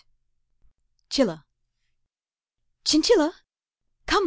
'CHILLA. Chinchilla?